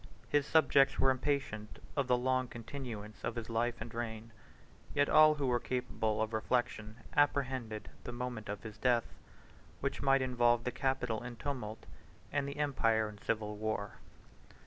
His subjects were impatient of the long continuance of his life and reign: yet all who were capable of reflection apprehended the moment of his death, which might involve the capital in tumult, and the empire in civil war.